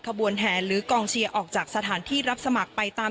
ขบวนแห่หรือกองเชียร์ออกจากสถานที่รับสมัครไปตาม